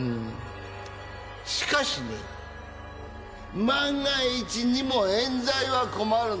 しかしね万が一にも冤罪は困る。